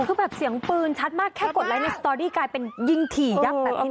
แค่กดไลน์ในสตอรี่กลายเป็นยิงถี่หยับ